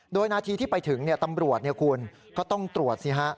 โดยนาทีที่ไปถึงตำรวจคุณก็ต้องตรวจสิฮะ